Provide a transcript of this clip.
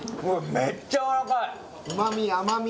めっちゃやわらかい旨み甘み